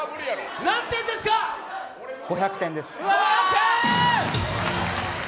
５００点です。